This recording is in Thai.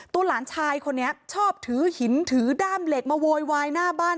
หลานชายคนนี้ชอบถือหินถือด้ามเหล็กมาโวยวายหน้าบ้าน